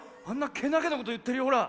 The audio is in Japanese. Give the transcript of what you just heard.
けなげなこといってるよほら。